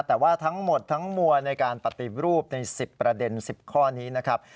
แต่ว่าทั้งหมดทั้งมวลในการปฏิรูปใน๑๐ประเด็น๑๐ข้อนี้นะครับ